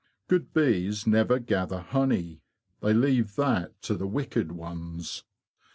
Good bees never gather honey: they leave that to the wicked ones.